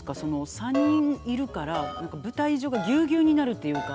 ３人いるから舞台上がギュウギュウになるというか。